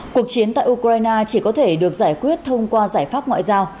cuộc chiến tại ukraine chỉ có thể được giải quyết thông qua giải pháp ngoại giao